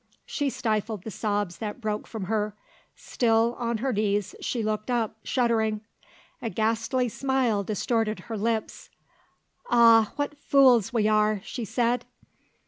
She stifled the sobs that broke from her. Still on her knees, she looked up, shuddering. A ghastly smile distorted her lips. "Ah, what fools we are!" she said.